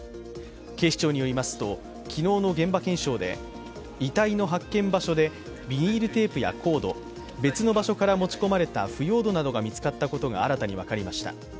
警視庁によりますと、昨日の現場検証で遺体の発見場所でビニールテープやコード、別の場所から持ち込まれた腐葉土などが見つかったことが新たに分かりました。